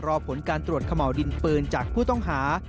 รอผลการตรวจเขม่าวดินปืนจากผู้ต้องหา